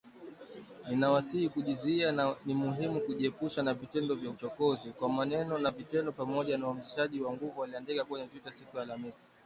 “Ninawasihi kujizuia na ni muhimu kujiepusha na vitendo vya uchokozi, kwa maneno na vitendo, pamoja na uhamasishaji wa nguvu” aliandika kwenye Twitter siku ya Alhamisi